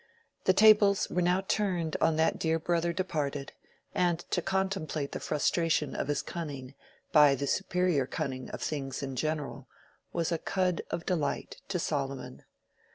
The tables were now turned on that dear brother departed, and to contemplate the frustration of his cunning by the superior cunning of things in general was a cud of delight to Solomon.